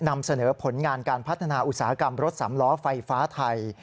นำเสนอผลงานการพัฒนาอุตสาหกรรมรถสำล้อไฟฟ้าไทย